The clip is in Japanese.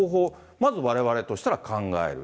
まずわれわれとしたら考える。